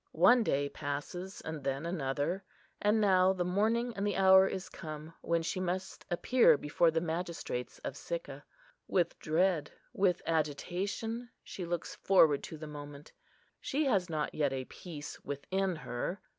One day passes and then another; and now the morning and the hour is come when she must appear before the magistrates of Sicca. With dread, with agitation, she looks forward to the moment. She has not yet a peace within her.